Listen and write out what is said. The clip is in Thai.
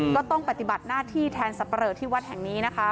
ก็ต้องปฏิบัติหน้าที่แทนสับปะเลอที่วัดแห่งนี้นะคะ